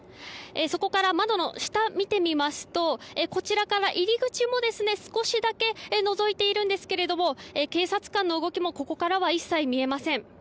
そこから窓の下を見てみますとこちらから入り口も少しだけのぞいているんですけど警察官の動きもここからは一切見えません。